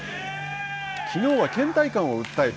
きのうはけん怠感を訴え